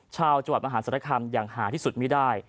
ชาวจังหวัดมหาศาลคำอย่างหาที่สุดไม่ได้